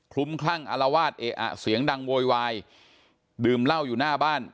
ลุ้มคลั่งอารวาสเออะเสียงดังโวยวายดื่มเหล้าอยู่หน้าบ้าน